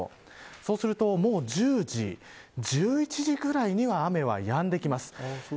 そうすると１０時、１１時ぐらいには雨はやんできます。